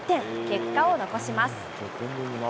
結果を残します。